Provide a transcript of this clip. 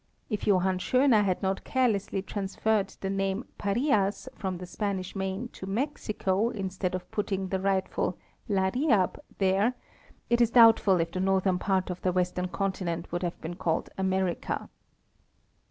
If Johann Schéner had not carelessly transferred the name " Parias" from the Spanish main to Mexico, instead of putting the rightful " Lariab " there, it is doubtful if the northern part of the western continent would have been called America.